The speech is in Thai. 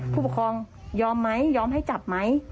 ผู้ปกครองยอมไหมยอมให้จับไหม